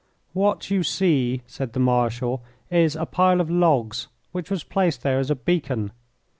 "What you see," said the Marshal, "is a pile of logs which was placed there as a beacon.